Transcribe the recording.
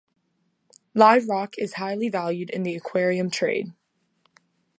Live rock is highly valued in the aquarium trade.